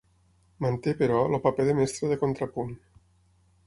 Manté, però, el paper de mestre de contrapunt.